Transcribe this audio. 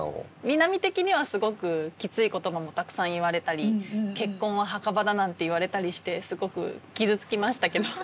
美波的にはすごくきつい言葉もたくさん言われたり「結婚は墓場だ」なんて言われたりしてすごく傷つきましたけど。